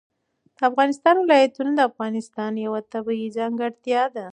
د افغانستان ولايتونه د افغانستان یوه طبیعي ځانګړتیا ده.